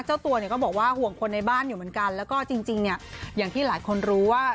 เจ้าตัวเนี่ยก็บอกว่าห่วงคนในบ้านอยู่เหมือนกันแล้วก็จริงเนี่ยอย่างที่หลายคนรู้ว่า